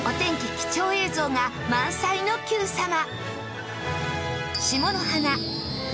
貴重映像が満載の『Ｑさま！！』。